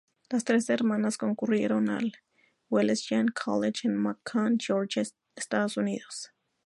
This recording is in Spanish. Las tres hermanas concurrieron al Wesleyan College en Macon, Georgia, Estados Unidos.